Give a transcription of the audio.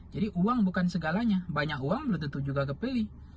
jadi uang bukan segalanya banyak uang berarti itu juga kepilih